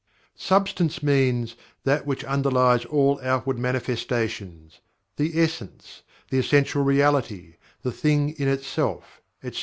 "Substance" means: "that which underlies all outward manifestations; the essence; the essential reality; the thing in itself," etc.